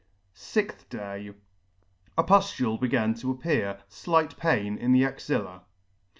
6th day. A pufiule beginning to appear, flight pain in the axilla.